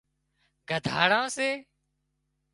گڌاڙان سي